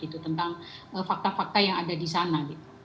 tentang fakta fakta yang ada di sana